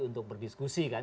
untuk berdiskusi kan